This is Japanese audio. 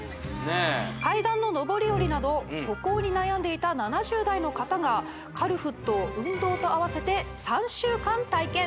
階段の上り下りなど歩行に悩んでいた７０代の方がカルフットを運動とあわせて３週間体験！